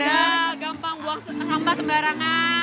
gak gampang buang hamba sembarangan